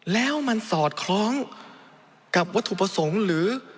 แล้วมันสอดคล้องกับวัตถุประสงค์หรือ